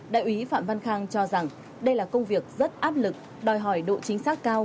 đại úy phạm văn khang cho rằng đây là công việc rất áp lực đòi hỏi độ chính xác cao